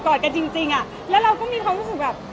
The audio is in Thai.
อดกันจริงอ่ะแล้วเราก็มีความรู้สึกแบบ